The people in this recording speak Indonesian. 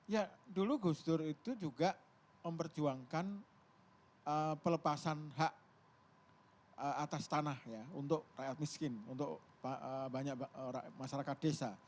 ya dulu gus dur itu juga memperjuangkan pelepasan hak atas tanah ya untuk rakyat miskin untuk banyak masyarakat desa